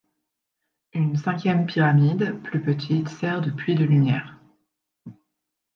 Une cinquième pyramide, plus petite, serts de puits de lumière.